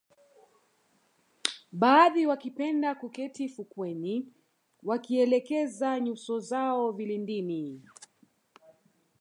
Baadhi wakipenda kuketi fukweni wakielekeza nyuso zao vilindini